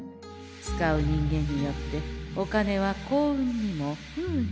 使う人間によってお金は幸運にも不運にもなる。